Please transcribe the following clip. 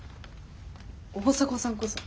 大迫さんこそ。